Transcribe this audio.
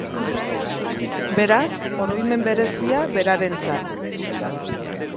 Beraz, oroimen berezia berarentzat.